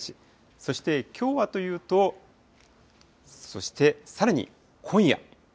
そしてきょうはというと、そしてさらに今夜。